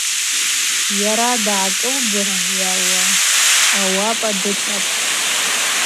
Йара дгӏакӏылдзыргӏвгӏауа ауапӏа дыцӏапӏ.